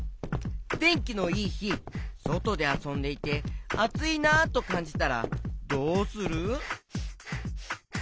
てんきのいいひそとであそんでいてあついなとかんじたらどうする？